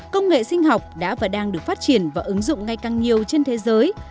công nghệ sinh học đã và đang được phát triển và ứng dụng ngay càng nhiều trên thế giới